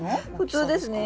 普通ですね。